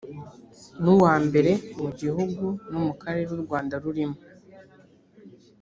nuwambere mugihugu no mu karere u rwanda rurimo